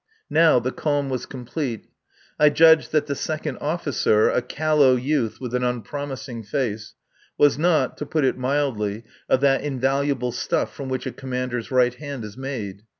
Now the calm was complete. I judged that the second officer a callow youth with an unpromising face was not, to put it mildly, of that invaluable stuff from which a commander's right hand is made.